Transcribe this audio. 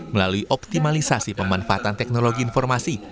melalui optimalisasi pemanfaatan teknologi informasi